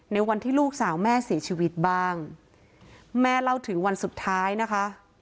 วันที่ลูกสาวแม่เสียชีวิตบ้างแม่เล่าถึงวันสุดท้ายนะคะ